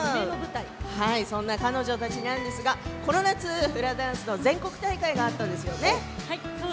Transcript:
そんな彼女たちなんですがこの夏フラダンスの全国大会があったんですよね。